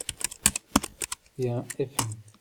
et un f.n.